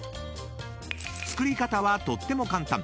［作り方はとっても簡単］